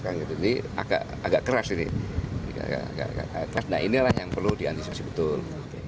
jadi agak keras ini nah inilah yang perlu diantisipasi betul